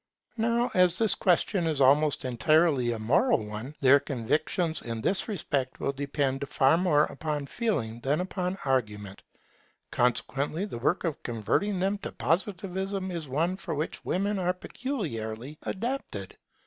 Now as this question is almost entirely a moral one, their convictions in this respect will depend far more upon Feeling than upon argument. Consequently, the work of converting them to Positivism is one for which women are peculiarly adapted.